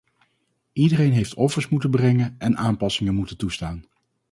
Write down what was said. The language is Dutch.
Iedereen heeft offers moeten brengen en aanpassingen moeten toestaan.